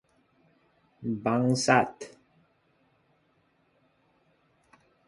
Bangsat!